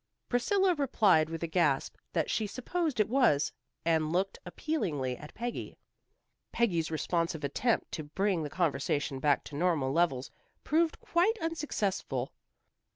Priscilla replied with a gasp that she supposed it was, and looked appealingly at Peggy. Peggy's responsive attempt to bring the conversation back to normal levels, proved quite unsuccessful.